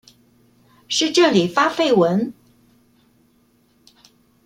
是這裡發廢文？